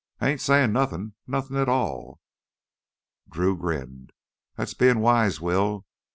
"I ain't sayin' nothin', nothin' at all!" Drew grinned. "That's being wise, Will.